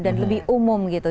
dan lebih umum gitu